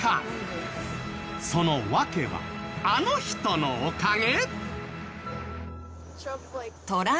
その訳はあの人のおかげ？